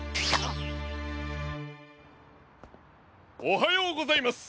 おはようございます！